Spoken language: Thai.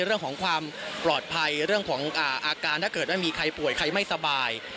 เรื่องของความปลอดภัยเรื่องของอาการถ้าเกิดว่ามีใครป่วยใครไม่สบาย